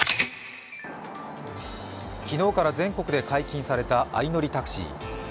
昨日から全国で解禁された相乗りタクシー。